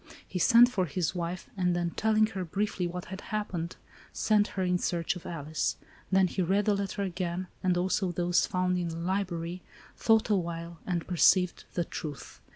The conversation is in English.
He sent for his wife, and, then, telling her briefly what had happened, sent her in search of Alice. Then he read the letter again, and also those found in the library, thought a while, — and perceived the truth.